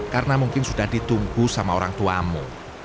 karena mungkin sudah ditunggu sama orang tuamu